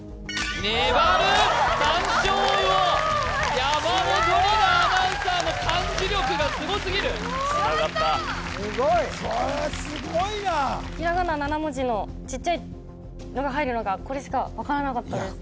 ひらがな７文字のちっちゃいのが入るのがこれしか分からなかったです